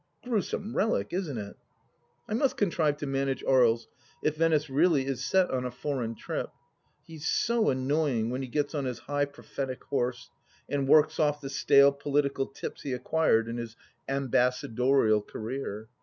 Gruesome relic, isn't it ? I must contrive to manage Aries, if Venice really is set on a foreign trip. He is so annoying when he gets on his high prophetic horse, and works off the stale political tips he acquired in his ambassadorial career.